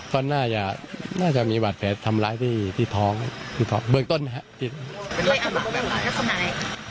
เขาน่าจะมีบาดแผนทำร้ายที่ท้องเบื้องต้นนะครับ